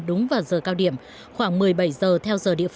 đúng vào giờ cao điểm khoảng một mươi bảy h